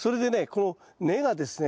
この根がですね